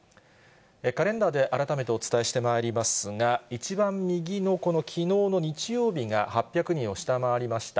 カレンダーで改めてお伝えしてまいりますが、一番右のこのきのうの日曜日が８００人を下回りました。